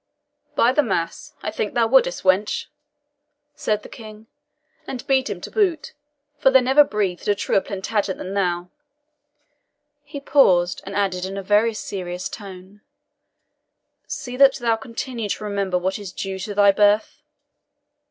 "By the mass, I think thou wouldst, wench," said the King, "and beat him to boot, for there never breathed a truer Plantagenet than thou." He paused, and added in a very serious tone, "See that thou continue to remember what is due to thy birth."